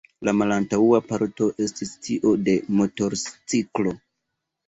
La malantaŭa parto estis tio de motorciklo.